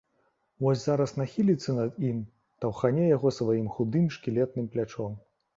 Вось зараз нахіліцца над ім, таўхане яго сваім худым шкілетным плячом.